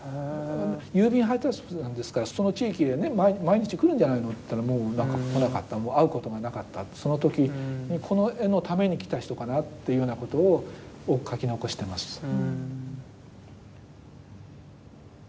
郵便配達夫さんですからその地域へ毎日来るんじゃないのといったらもう来なかったもう会うこともなかったその時この絵のために来た人かなっていうようなことを書き残してます。